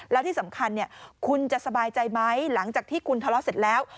แล้วที่สำคัญคุณจะสบายใจไหมหลังจากที่คุณทะเลาะเสร็จแล้ว